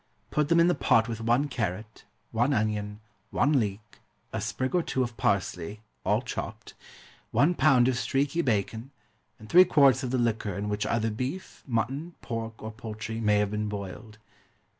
Put them in the pot with one carrot, one onion, one leek, a sprig or two of parsley (all chopped), one pound of streaky bacon, and three quarts of the liquor in which either beef, mutton, pork, or poultry may have been boiled.